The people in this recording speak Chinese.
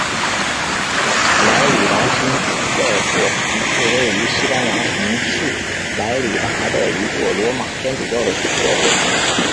莱里达新主教座堂是位于西班牙城市莱里达的一座罗马天主教的主教座堂。